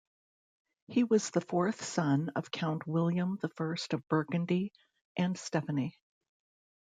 He was the fourth son of Count William the First of Burgundy and Stephanie.